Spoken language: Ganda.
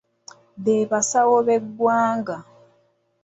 Be basawo bw’eggwanga.